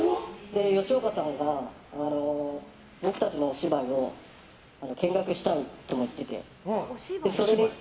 吉岡さんが僕たちのお芝居を見学したいとも言ってて。